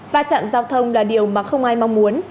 và chạm giao thông là điều mà không ai mong muốn